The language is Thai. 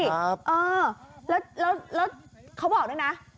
แล้วบอกด้วยนะ